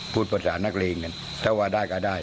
พูดภาษานักเรงอย่างนั้น